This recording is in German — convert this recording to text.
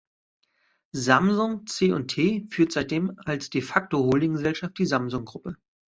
Samsung C&T führt seitdem als de facto Holdinggesellschaft die Samsung-Gruppe.